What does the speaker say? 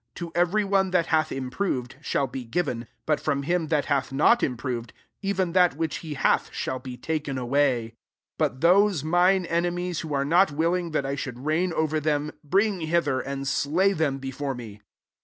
To every one that hath imfirovedj shall be given ; but from him that hath not im/irovedf even that which he hath shall be taken away. 27 But those mine enemies, who are not willing that I should reign over them, bring hither, and slay them before me."